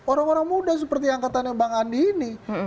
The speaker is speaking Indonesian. orang orang muda seperti angkatannya bang andi ini